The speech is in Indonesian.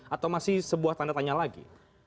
atau masih sebuah tanda tanya lagi